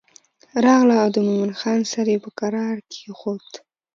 راغله او د مومن خان سر یې په کرار کېښود.